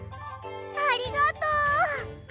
ありがとう。